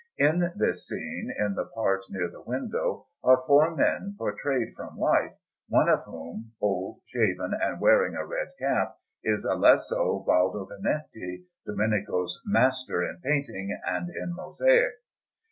In this scene, in the part near the window, are four men portrayed from life, one of whom, old, shaven, and wearing a red cap, is Alesso Baldovinetti, Domenico's master in painting and in mosaic.